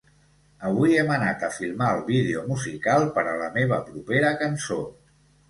Avui hem anat a filmar el vídeo musical per la meva propera cançó.